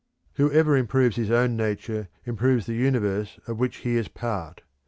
Whoever improves his own nature improves the universe of which he is a part.